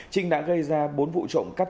trinh đã gây ra bốn vụ trộn cắp